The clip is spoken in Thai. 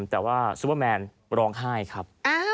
แต่ว่าซุปเปอร์แมนร้องไห้ครับ